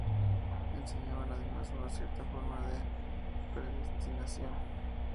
Enseñaban además una cierta forma de predestinación.